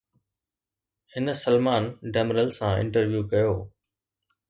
هن سلمان ڊيمرل سان انٽرويو ڪيو.